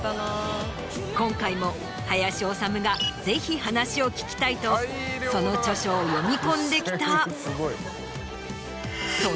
今回も林修がぜひ話を聞きたいとその著書を読み込んできた。